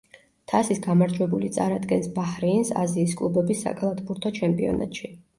თასის გამარჯვებული წარადგენს ბაჰრეინს აზიის კლუბების საკალათბურთო ჩემპიონატში.